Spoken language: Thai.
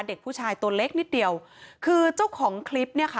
เด็กผู้ชายตัวเล็กนิดเดียวคือเจ้าของคลิปเนี่ยค่ะ